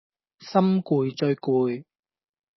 心攰最攰